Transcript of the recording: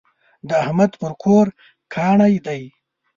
د احمد پر کور کاڼی دی.